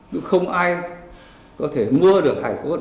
nhưng không ai có thể mua được hải quân liệt sĩ